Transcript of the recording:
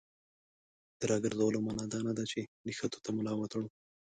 د راګرځولو معنا دا نه ده چې نښتو ته ملا وتړو.